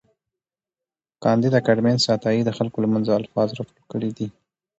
کانديد اکاډميسن عطايي د خلکو له منځه الفاظ راټول کړي دي.